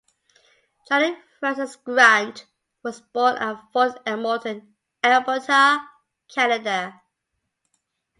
Johnny Francis Grant was born at Fort Edmonton, Alberta, Canada.